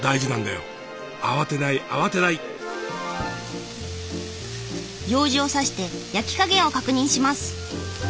ようじを刺して焼き加減を確認します。